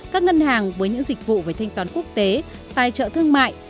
các ngân hàng với những dịch vụ về thanh toán quốc tế tài trợ thương mại